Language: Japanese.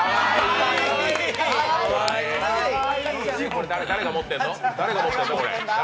これ、誰が持ってるの？